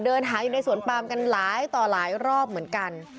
เดินหาอยู่ในสวนปามกันหลายต่อหลายรอบเหมือนกัน